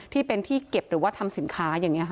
ที่เป็นที่เก็บหรือว่าทำสินค้าอย่างนี้ค่ะ